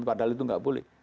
padahal itu enggak boleh